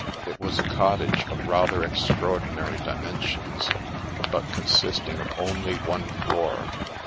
It was a cottage of rather extraordinary dimen sions, but consisting of only one floor.